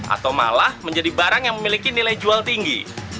atau malah menjadi barang yang memiliki nilai jual tinggi